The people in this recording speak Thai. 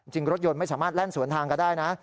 รถยนต์ไม่สามารถแล่นสวนทางกันได้นะ